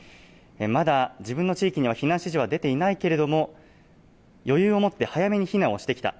まだ自分の地域には避難指示は出ていないけれども余裕を持って早めに避難をしてきた。